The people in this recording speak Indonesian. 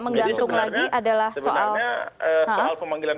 menggantung lagi adalah soal sebenarnya soal pemanggilan